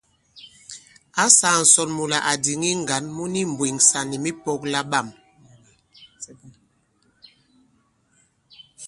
Ǎ sāā ǹsɔn mula à dìŋi ŋgǎn mu ni mbwèŋsà nì mipɔ̄k laɓâm.